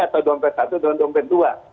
atau dompet satu dan dompet dua